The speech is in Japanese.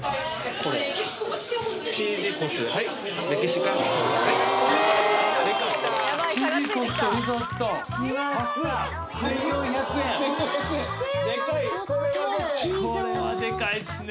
これはでかいっすね